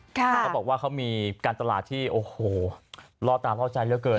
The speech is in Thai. แต่เขาบอกว่าเขามีการตลาดที่โอ้โหล่อตาล่อใจเหลือเกิน